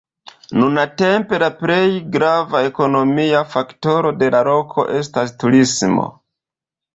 Nuntempe la plej grava ekonomia faktoro de la loko estas turismo.